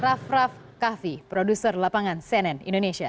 raff raff kahvi produser lapangan cnn indonesia